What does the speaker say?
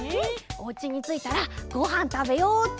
おうちについたらごはんたべようっと！